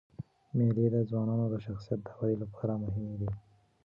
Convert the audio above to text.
مېلې د ځوانانو د شخصیت د ودي له پاره مهمي دي.